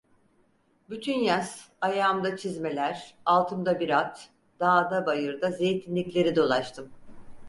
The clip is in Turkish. Bütün yaz, ayağımda çizmeler, altımda bir at, dağda bayırda zeytinlikleri dolaştım.